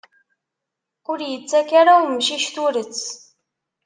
Ur ittak ara umcic turet.